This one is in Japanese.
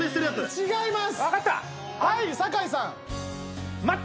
違います。